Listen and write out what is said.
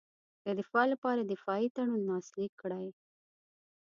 د دفاع لپاره دفاعي تړون لاسلیک کړي.